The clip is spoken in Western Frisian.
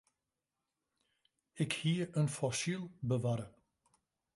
Ik hie in fossyl bewarre.